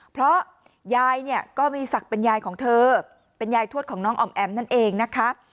เพราะยายเนี่ยก็มีศักดิ์เป็นยายของเธอเป็นยายทวดของน้องออมแอ๋มนั่นเองนะคะ